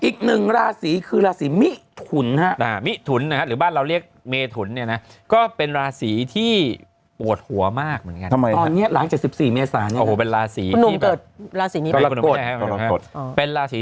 เดี๋ยวไปนี่เลยเดี๋ยววันพรุ่งนี้